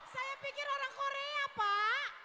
saya pikir orang korea pak